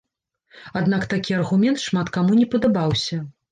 Аднак такі аргумент шмат каму не падабаўся.